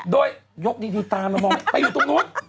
โดยยกดีตามมามองไปอยู่ตรงนู้น